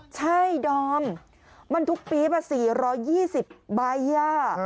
ใช่ดอมมันทุกปี๊บ๔๒๐ใบอ่ะ